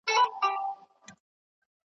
څه خبر وي چي پر نورو څه تیریږي .